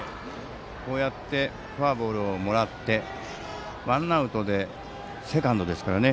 こうやってフォアボールをもらいワンアウトでセカンドですからね。